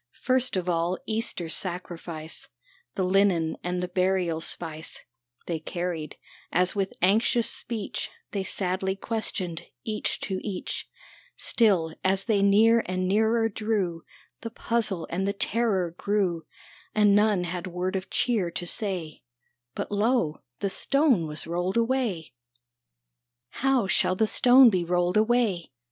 First of all Easter sacrifice, The linen and the burial spice, They carried, as with anxious speech They sadly questioned, each to each : Still, as they near and nearer drew The puzzle and the terror grew, And none had word of cheer to say ; But lo, the stone was rolled away !" How shall the stone be rolled away?